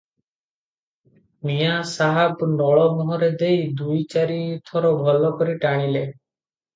ମିଆଁ ସାହାବ ନଳ ମୁହଁରେ ଦେଇ ଦୁଇ ଚାରି ଥର ଭଲ କରି ଟାଣିଲେ ।